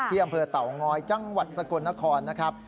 อำเภอเต่างอยจังหวัดสกลนครนะครับ